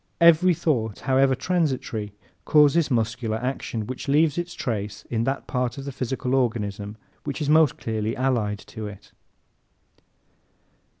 Every thought, however transitory, causes muscular action, which leaves its trace in that part of the physical organism which is most closely allied to it.